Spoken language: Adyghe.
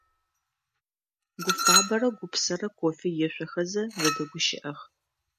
Гуфабэрэ Гупсэрэ кофе ешъохэзэ зэдэгущыӀэх.